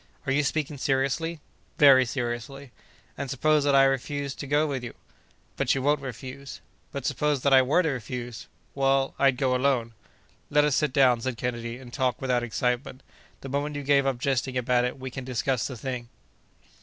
"Are you speaking seriously?" "Very seriously." "And suppose that I refuse to go with you?" "But you won't refuse." "But, suppose that I were to refuse?" "Well, I'd go alone." "Let us sit down," said Kennedy, "and talk without excitement. The moment you give up jesting about it, we can discuss the thing."